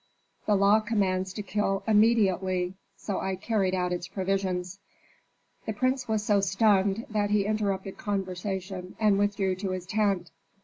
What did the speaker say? "The law commands to kill immediately, so I carried out its provisions." The prince was so stunned that he interrupted conversation and withdrew to his tent.